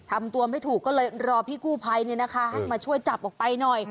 ทำตัวไม่ถูกก็เลยรอพี่กู้ภัยให้มาช่วยจับออกไปหน่อย